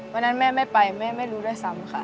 วันนั้นแม่ไม่ไปแม่ไม่รู้ด้วยซ้ำค่ะ